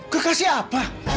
ku kasih apa